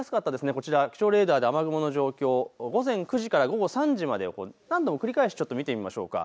こちら気象レーダーで雨雲の状況を午前９時から午後３時までを何度も繰り返し見てみましょうか。